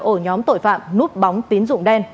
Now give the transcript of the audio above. ổ nhóm tội phạm núp bóng tín dụng đen